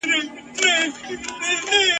زما ځالۍ چي یې لمبه کړه د باغوان کیسه کومه !.